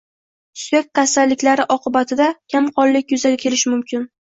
Suyak xastaliklari oqibatida kamqonlikyuzaga kelishi mumkin.